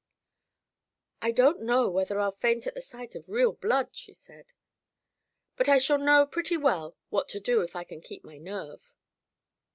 "I don't know whether I'll faint at the sight of real blood," she said, "but I shall know pretty well what to do if I can keep my nerve."